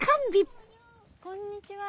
こんにちは。